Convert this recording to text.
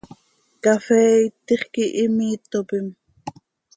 Cafee itix quih imiitopim.